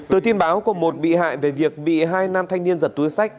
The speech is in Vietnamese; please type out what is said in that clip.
từ tin báo của một bị hại về việc bị hai nam thanh niên giật túi sách